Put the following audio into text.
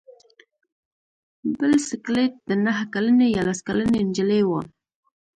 بل سکلیټ د نهه کلنې یا لس کلنې نجلۍ و.